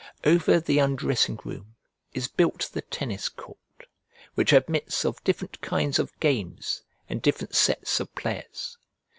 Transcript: Over the undressing room is built the tennis court, which admits of different kinds of games and different sets of players.